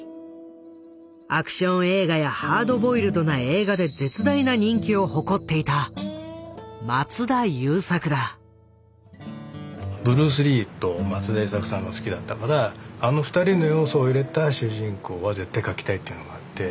アクション映画やハードボイルドな映画で絶大な人気を誇っていたブルース・リーと松田優作さんが好きだったからあの２人の要素を入れた主人公は絶対描きたいっていうのがあって。